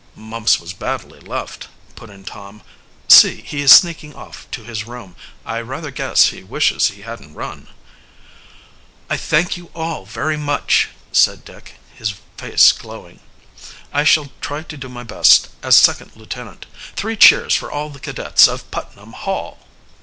"Mumps was badly left," put in Tom. "See, he is sneaking off to his room. I rather guess he wishes he hadn't run." "I thank you all very much," said Dick, his face glowing. "I shall try to do my best as second lieutenant. Three cheers for all of the cadets of Putnam Hall!"